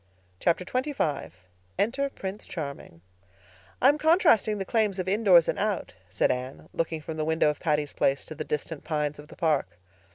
P G." Chapter XXV Enter Prince Charming "I'm contrasting the claims of indoors and out," said Anne, looking from the window of Patty's Place to the distant pines of the park.